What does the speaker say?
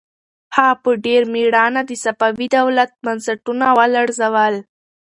هغه په ډېر مېړانه د صفوي دولت بنسټونه ولړزول.